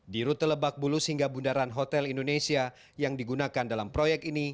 di rute lebak bulus hingga bundaran hotel indonesia yang digunakan dalam proyek ini